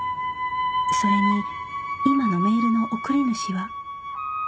それに今のメールの送り主は